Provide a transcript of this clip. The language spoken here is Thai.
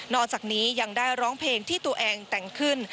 อกจากนี้ยังได้ร้องเพลงที่ตัวเองแต่งขึ้น